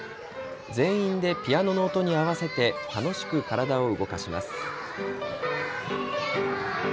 全員でピアノの音に合わせて楽しく体を動かします。